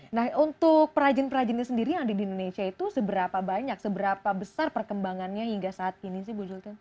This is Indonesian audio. nah untuk perajin perajinnya sendiri yang ada di indonesia itu seberapa banyak seberapa besar perkembangannya hingga saat ini sih bu zulkif